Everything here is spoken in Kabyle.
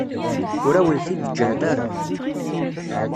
Ur awen-t-id-ǧǧant ara.